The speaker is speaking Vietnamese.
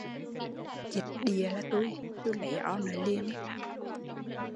Dịch địa là tui, tui lấy o nớ liền